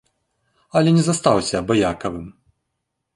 Але не застаўся абыякавым.